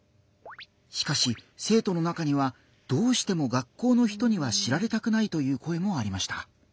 しかし生徒の中には「どうしても学校の人には知られたくない」という声もありました。